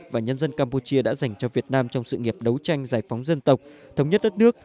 và nhân dân campuchia đã dành cho việt nam trong sự nghiệp đấu tranh giải phóng dân tộc thống nhất đất nước